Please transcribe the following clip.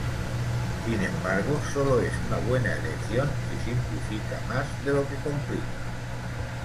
Sin embargo solo es una buena elección si simplifica más de lo que complica.